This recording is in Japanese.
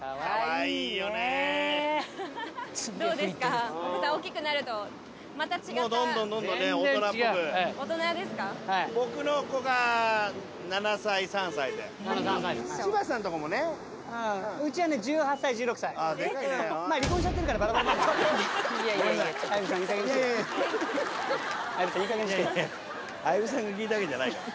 いやいや相武さんが聞いたわけじゃないから。